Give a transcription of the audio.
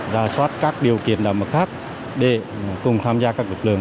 ra soát các điều kiện đảm bảo khác để cùng tham gia các lực lượng